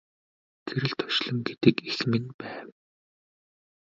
Гэрэлт орчлон гэдэг эх минь байв.